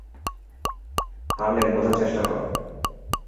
হারলিন, বুঝার চেষ্টা করো।